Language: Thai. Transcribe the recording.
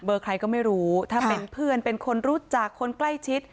ใครก็ไม่รู้ถ้าเป็นเพื่อนเป็นคนรู้จักคนใกล้ชิด